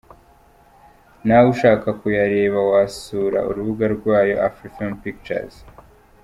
Na we ushaka kuyareba wasura urubuga rwayo, AfrifamePictures.